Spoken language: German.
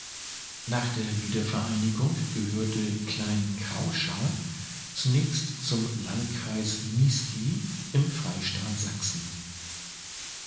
Nach der Wiedervereinigung gehörte Klein Krauscha zunächst zum "Landkreis Niesky" im Freistaat Sachsen.